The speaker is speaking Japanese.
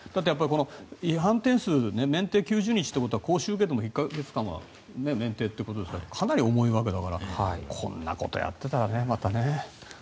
違反点数免停９０日ということは講習受けても１か月間は免停ということだからかなり重いわけだからこんなことやってたら、またね。